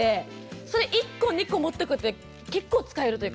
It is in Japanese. それ１個２個持っとくと結構使えるというか。